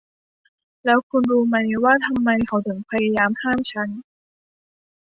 แล้วคุณรู้ไหมว่าทำไมเขาถึงพยายามห้ามฉัน ?